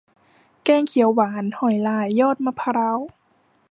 แกงเขียวหวานหอยลายยอดมะพร้าว